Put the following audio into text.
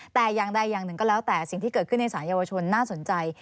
แต่อย่างใดอย่างหนึ่งก็แล้วแต่สิ่งที่เกิดขึ้นในสารเยาวชนน่าสนใจ